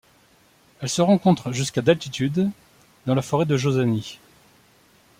Elle se rencontre jusqu'à d'altitude dans la forêt de Jozani.